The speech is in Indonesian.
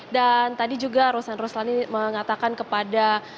dan tadi juga rosan roslani mengatakan kepada